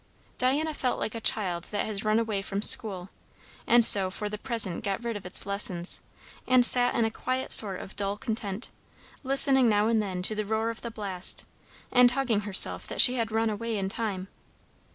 Diana felt like a child that has run away from school, and so for the present got rid of its lessons; and sat in a quiet sort of dull content, listening now and then to the roar of the blast, and hugging herself that she had run away in time.